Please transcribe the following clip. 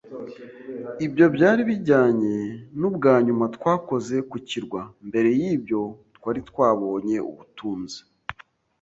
Ibyo byari bijyanye nubwa nyuma twakoze ku kirwa. Mbere yibyo, twari twabonye ubutunzi